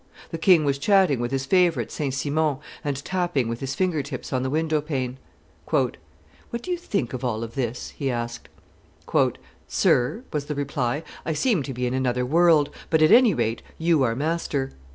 The king was chatting with his favorite St. Simon, and tapping with his finger tips on the window pane. "What do you think of all this?" he asked. "Sir," was the reply, "I seem to be in another world, but at any rate you are master."